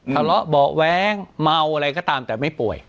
ทะเลาะเบาะแว้งเมาอะไรก็ตามแต่ไม่ป่วย